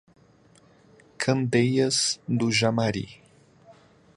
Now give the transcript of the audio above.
Candeias do Jamari